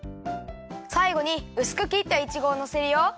さいごにうすくきったいちごをのせるよ。